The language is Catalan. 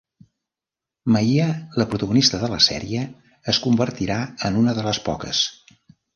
Maia, la protagonista de la sèrie, es convertirà en una de les poques.